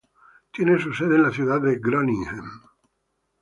Tiene su sede en la ciudad de Groningen.